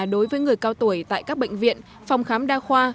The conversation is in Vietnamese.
đối với người cao tuổi tại các bệnh viện phòng khám đa khoa